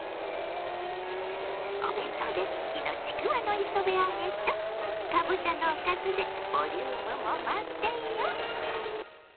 お弁当で人気のちくわの磯辺揚げとかぼちゃのおかずでボリュームも満点よ。